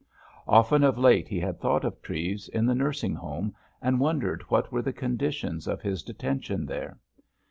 Often of late he had thought of Treves in the nursing home, and wondered what were the conditions of his detention there.